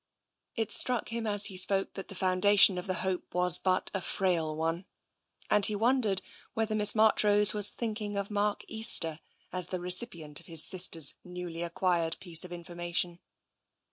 It struck him as he spoke that the foundation of the hope was but a frail one, and he wondered whether Miss Marchrose was thinking of Mark Easter as the i62 TENSION recipient of his sister's newly acquired piece of in formation.